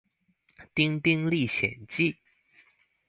丁丁歷險記